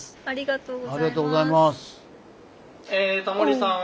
ありがとうございます。